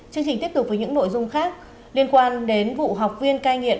chương trình tiếp tục với những nội dung khác liên quan đến vụ học viên cai nghiện